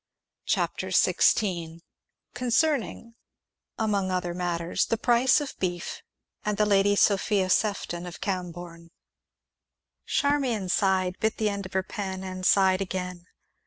CHAPTER XVI CONCERNING, AMONG OTHER MATTERS, THE PRICE OF BEEF, AND THE LADY SOPHIA SEFTON OF CAMBOURNE Charmian sighed, bit the end of her pen, and sighed again.